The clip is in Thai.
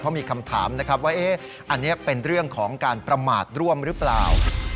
เพราะมีคำถามนะครับว่าอันนี้เป็นเรื่องของการประมาทร่วมหรือเปล่า